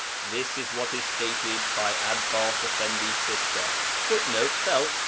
This is what is stated by Abbas Effendi's sister: [Footnote: Phelps, pp.